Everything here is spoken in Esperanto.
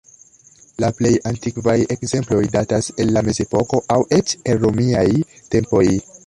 La plej antikvaj ekzemploj datas el la Mezepoko, aŭ eĉ el romiaj tempoj.